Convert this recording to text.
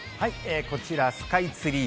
こちら、スカイツリー。